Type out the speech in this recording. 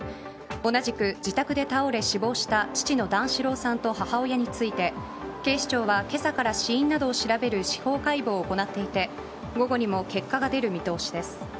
同じく自宅で倒れ死亡した父の段四郎さんと母親について警視庁は今朝から死因などを調べる司法解剖を行っていて午後にも結果が出る見通しです。